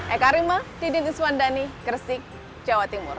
eka rima didi rizwandani gersik jawa timur